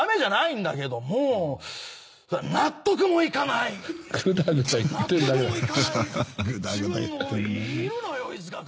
いるんだよ飯塚君。